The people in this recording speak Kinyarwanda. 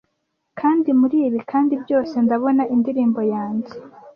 Kandi muribi kandi byose ndaboha indirimbo yanjye.